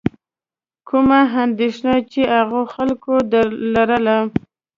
کومه اندېښنه چې هغو خلکو لرله.